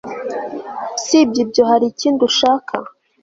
Usibye ibyo hari ikindi ushaka